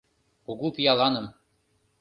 Кугу пиаланым.